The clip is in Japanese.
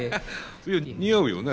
いや似合うよね。